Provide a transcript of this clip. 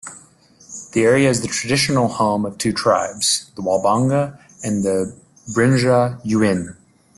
The area is the traditional home of two tribes: the Walbanga and the Brinja-Yuin.